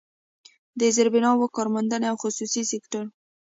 د زيربناوو، کارموندنې او خصوصي سکتور